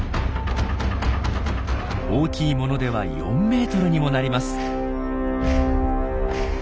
大きいものでは４ｍにもなります。